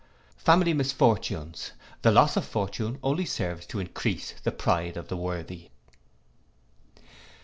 Family misfortunes. The loss of fortune only serves to encrease the pride of the worthy.